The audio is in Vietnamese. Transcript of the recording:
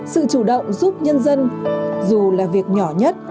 sự chủ động giúp nhân dân dù là việc nhỏ nhất